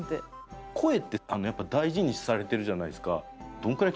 声ってやっぱ大事にされてるじゃないですか。